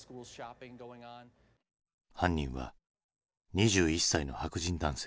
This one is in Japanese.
犯人は２１歳の白人男性。